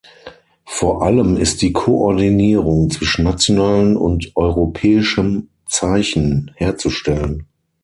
Vor allem ist die Koordinierung zwischen nationalen und europäischem Zeichen herzustellen.